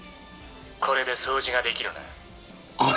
これで掃除ができるな」。